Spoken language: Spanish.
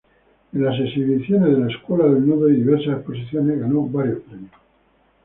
En las exhibiciones de la "scuola del nudo" y diversas exposiciones, ganó varios premios.